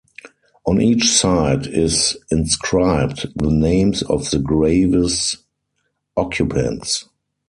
On each side is inscribed the names of the grave's occupants.